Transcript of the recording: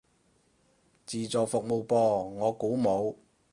自助服務噃，我估冇